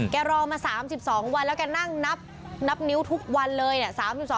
รอมา๓๒วันแล้วแกนั่งนับนิ้วทุกวันเลยเนี่ย